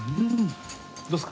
うん！